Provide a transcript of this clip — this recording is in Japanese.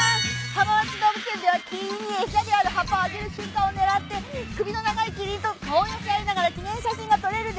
浜松市動物園ではキリンに餌である葉っぱをあげる瞬間を狙って首の長いキリンと顔を寄せ合いながら記念写真が撮れるんです。